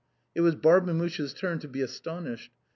It was Barbemuche's turn to be astonished.